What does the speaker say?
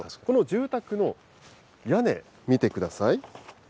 この住宅の屋根、見てください。